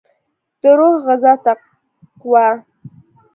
دروح غذا تقوا